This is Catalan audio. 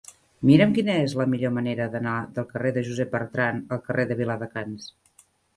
Mira'm quina és la millor manera d'anar del carrer de Josep Bertrand al carrer de Viladecans.